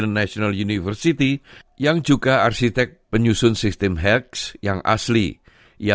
untuk mengikuti kursus bridging di australia